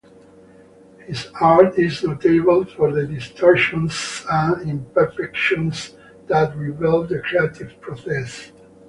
His art is notable for the distortions and imperfections that reveal the creative process.